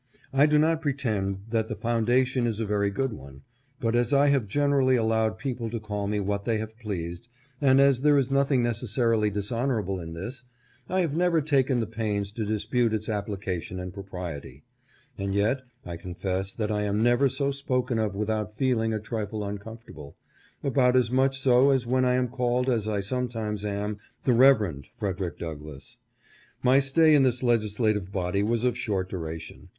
I do not pretend that the Commissioners to Santo Domingo. DECORATION DAY AT ARLINGTON. 505 foundation is a very good one, but as I have generally allowed people to call me what they have pleased, and as there is nothing necessarily dishonorable in this, I have never taken the pains to dispute its application and pro priety ; and yet I confess that I am never so spoken of without feeling a trifle uncomfortable — about as much so as when I am called, as I sometimes am, the Rev. Fred erick Douglass. My stay in this legislative body was of short duration.